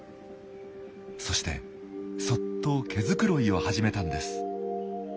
そしてそっと毛繕いを始めたんです。